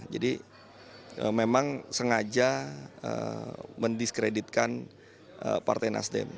jadi memang sengaja mendiskreditkan partai nasdem